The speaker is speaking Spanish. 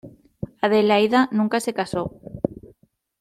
Adelaida nunca se casó.